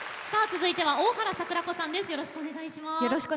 続いては大原櫻子さんです。